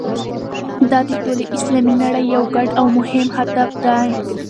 دا د ټولې اسلامي نړۍ یو ګډ او مهم هدف دی.